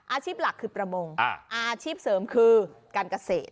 อาชีพหลักคือประมงอาชีพเสริมคือการเกษตร